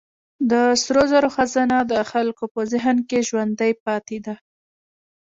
د سرو زرو خزانه د خلکو په ذهن کې ژوندۍ پاتې ده.